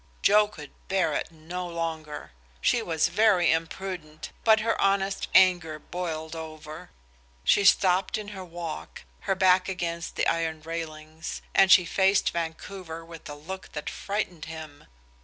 Joe could bear it no longer. She was very imprudent, but her honest anger boiled over. She stopped in her walk, her back against the iron railings, and she faced Vancouver with a look that frightened him.